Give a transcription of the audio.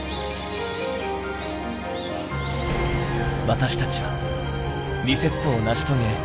私たちはリセットを成し遂げ